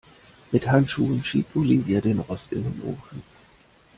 Mit Handschuhen schiebt Olivia den Rost in den Ofen.